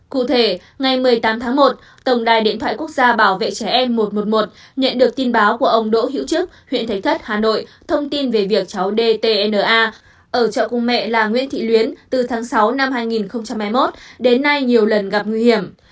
cụ thể ngày một mươi tám tháng một tổng đài điện thoại quốc gia bảo vệ trẻ em một trăm một mươi một nhận được tin báo của ông đỗ hữu trức huyện thấy thất hà nội thông tin về việc cháu dtna ở chợ cùng mẹ là nguyễn thị luyến từ tháng sáu năm hai nghìn hai mươi một đến nay nhiều lần gặp nguy hiểm